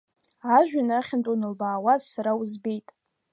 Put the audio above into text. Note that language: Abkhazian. Ажәҩан ахьынтә уанлыбаауаз, сара узбеит.